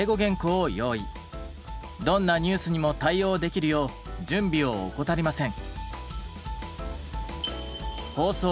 どんなニュースにも対応できるよう準備を怠りません。